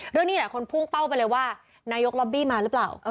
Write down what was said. เรื่องนี้หลายคนพุ่งเป้าไปเลยว่านายกล็อบบี้มาหรือเปล่า